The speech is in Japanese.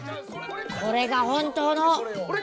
これが本当の。